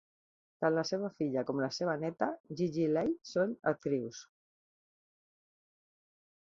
Tant la seva filla com la seva neta, Gigi Lai, són actrius.